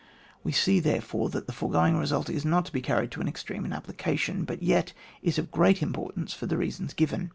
We see, therefore, that the fore going result is not to be carried to an ex treme in application, but yet it is of great importance for the reasons given.